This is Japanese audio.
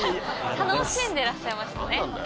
楽しんでらっしゃいましたね。